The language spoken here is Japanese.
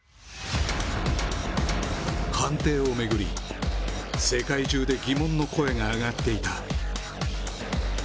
判定を巡り、世界中で疑問の声が上がっていた。